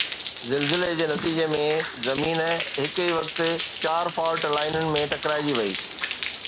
زلزلي جي نتيجي ۾ زمين هڪ ئي وقت چار فالٽ لائينن ۾ ٽڪرائجي وئي.